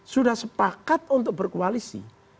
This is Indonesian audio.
sudah sepakat untuk berkoalisi